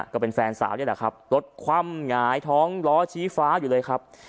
ก็เป็นแฟนสาวนี่แหละครับรถคว่ำหงายท้องล้อชี้ฟ้าอยู่เลยครับ